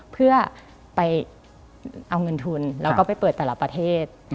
เพื่อไปเอาเงินทุนแล้วก็ไปเปิดแต่ละประเทศ